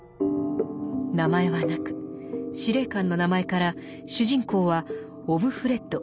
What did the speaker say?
名前はなく司令官の名前から主人公は「オブフレッド」